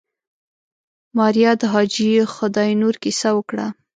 ماريا د حاجي خداينور کيسه وکړه.